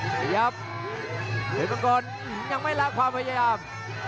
ขยับเห็นบางคนยังไม่ลากความพยายาม